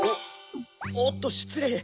おっとしつれい！